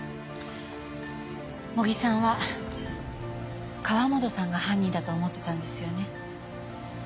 茂木さんは河元さんが犯人だと思ってたんですよね？